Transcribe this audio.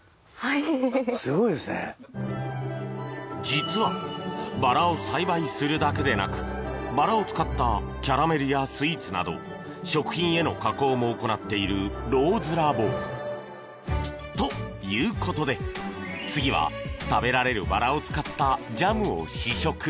実はバラを栽培するだけでなくバラを使ったキャラメルやスイーツなど食品への加工も行っているＲＯＳＥＬＡＢＯ。ということで、次は食べられるバラを使ったジャムを試食。